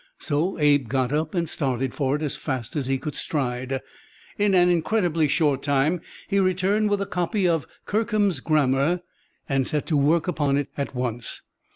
So Abe got up and started for it as fast as he could stride. In an incredibly short time he returned with a copy of Kirkham's Grammar, and set to work upon it at once.